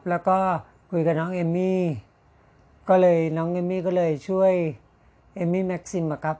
แล้วก็คุยกับน้องเอมมี่ก็เลยน้องเอมมี่ก็เลยช่วยเอมมี่แม็กซิมอะครับ